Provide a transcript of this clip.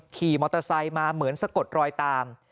ขี่มอเตอร์ไซค์มาเหมือนสะกดรอยตาม